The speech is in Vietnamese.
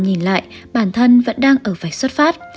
nhìn lại bản thân vẫn đang ở vạch xuất phát